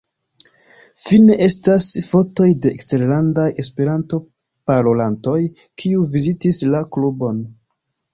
Fine estas fotoj de eksterlandaj Esperanto-parolantoj kiuj vizitis la klubon.